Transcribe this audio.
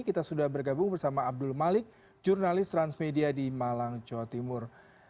kita sudah bergabung bersama abdul malik jurnalis transmedia di malang jawa timur